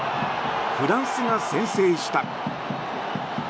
フランスが先制した。